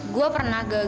gue pernah gagal